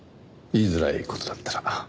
言いづらい事だったら。